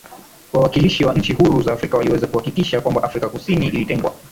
wawakilishi wa nchi huru za Afrika waliweza kuhakikisha ya kwamba Afrika Kusini ilitengwa